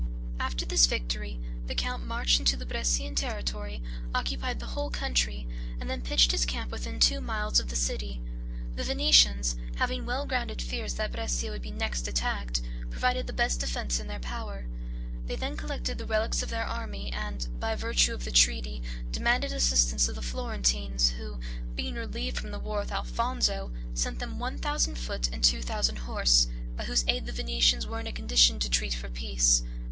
After this victory, the count marched into the Brescian territory, occupied the whole country, and then pitched his camp within two miles of the city. The Venetians, having well grounded fears that Brescia would be next attacked, provided the best defense in their power. They then collected the relics of their army, and, by virtue of the treaty, demanded assistance of the Florentines; who, being relieved from the war with Alfonso, sent them one thousand foot and two thousand horse, by whose aid the Venetians were in a condition to treat for peace.